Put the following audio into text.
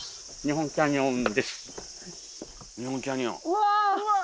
うわ！